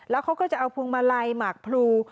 แล้วเขาก็จะเอาพวงมาลัยหมากพลู